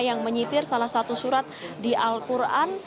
yang menyitir salah satu surat di al quran